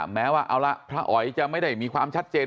แม้ว่าเอาละพระอ๋อยจะไม่ได้มีความชัดเจน